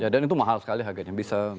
dan itu mahal sekali harganya